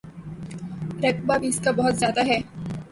رقبہ بھی اس کا بہت زیادہ ہے۔